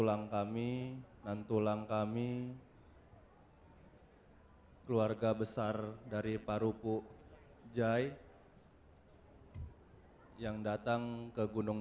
wassalamualaikum warahmatullahi wabarakatuh